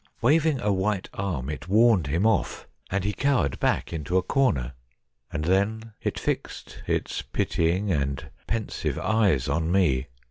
Waving a white arm it warned him off, and he cowered back into a corner, and then it fixed its pitying and pensive eyes on me.